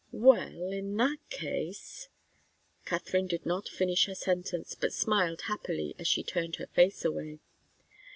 "Well in that case " Katharine did not finish her sentence, but smiled happily as she turned her face away.